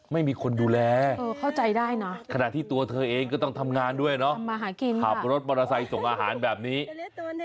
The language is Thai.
ไม่มีคนดูแลขณะที่ตัวเธอเองก็ต้องทำงานด้วยเนอะขับรถมอเตอร์ไซค์ส่งอาหารแบบนี้ทำมาหากิน